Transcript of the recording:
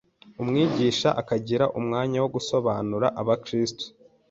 umwigisha akagira umwanya wo gusobanurira abakristo